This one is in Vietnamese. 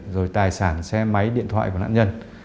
rồi tài sản xe máy điện thoại của nạn nhân